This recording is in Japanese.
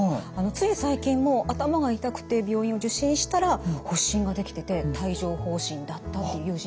つい最近も頭が痛くて病院を受診したら発疹ができてて帯状ほう疹だったっていう友人もいます。